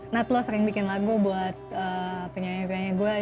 nat lo sering bikin lagu buat penyanyi penyanyi gue